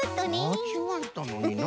まちがえたのにな。